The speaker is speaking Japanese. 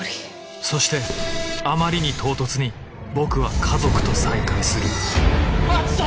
そしてあまりに唐突に僕は家族と再会する篤斗！